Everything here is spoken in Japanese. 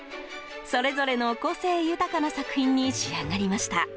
それぞれの個性豊かな作品に仕上がりました。